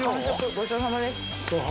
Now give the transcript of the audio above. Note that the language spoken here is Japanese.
ごちそうさまです